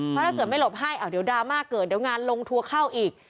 เพราะถ้าเกิดไม่หลบให้เดี๋ยวดราม่าเกิดเดี๋ยวงานลงทัวร์เข้าอีก